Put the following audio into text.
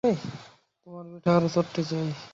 তোমার পিঠে আরও চড়তে চাই।